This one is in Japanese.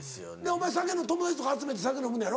お前酒の友達とか集めて酒飲むのやろ？